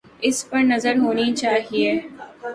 اس پہ نظر ہونی چاہیے۔